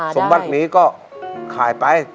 สมบัตินี้ก็ขายไป